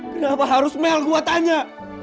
kenapa harus mel gue tanya